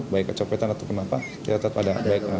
baik kecopetan atau kenapa